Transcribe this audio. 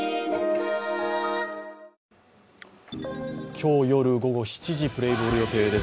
今日夜午後７時プレイボール予定です